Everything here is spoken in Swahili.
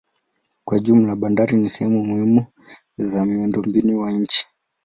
Kwa jumla bandari ni sehemu muhimu za miundombinu wa nchi.